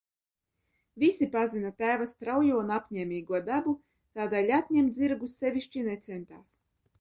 Visi pazina tēva straujo un apņēmīgo dabu, tādēļ atņemt zirgus sevišķi necentās.